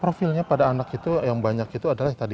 profilnya pada anak itu yang banyak itu adalah tadi